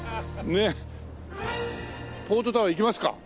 ポートタワー行きますか。